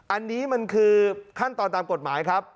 อันนี้มันคือขั้นตอนตามกฎหมายครับ